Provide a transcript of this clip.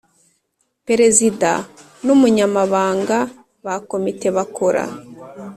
Perezida n Umunyamabanga ba Komite bakora